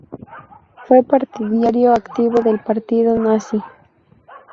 Fue partidario activo del partido nazi.